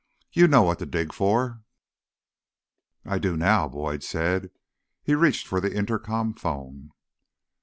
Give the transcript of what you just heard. You know what to dig for?" "I do now," Boyd said. He reached for the intercom phone.